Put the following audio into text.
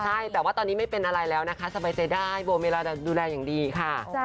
ใช่แต่ว่าตอนนี้ไม่เป็นอะไรแล้วนะคะสบายใจได้โบเมลาจะดูแลอย่างดีค่ะ